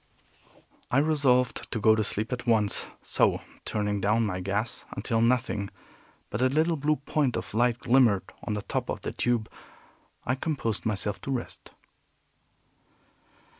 I resolved to go to sleep at once; so, turning down my gas until nothing but a little blue point of light glimmered on the top of the tube, I composed myself to rest.